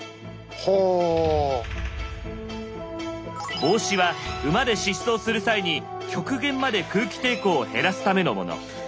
帽子は馬で疾走する際に極限まで空気抵抗を減らすためのもの。